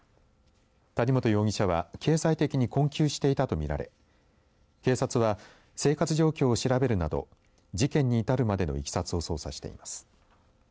谷本容疑者は経済的に困窮していたとみられ警察は、生活状況を調べるなど事件に至るまでのいきさつを捜査しています。